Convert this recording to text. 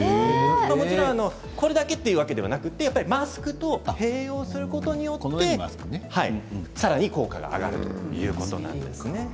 もちろん、これだけというわけではなくマスクと併用することによってさらに効果が上がるということなんですね。